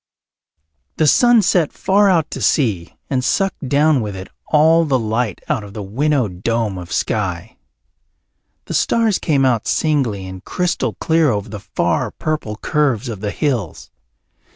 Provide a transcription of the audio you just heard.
The sun set far out to sea and sucked down with it all the light out of the winnowed dome of sky. The stars came out singly and crystal clear over the far purple curves of the hills.